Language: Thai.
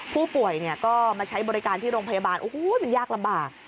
ผู้ป่วยก็มาใช้บริการที่โรงพยาบาลโอ้โหมันยากลำบาก